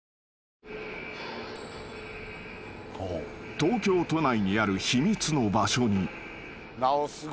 ［東京都内にある秘密の場所に］